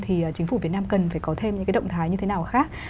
thì chính phủ việt nam cần phải có thêm những cái động thái như thế nào khác